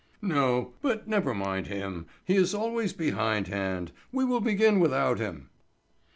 "No, but never mind him; he is always behind hand. We will begin without him."